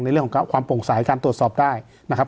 ในเรื่องของความโปร่งสายการตรวจสอบได้นะครับ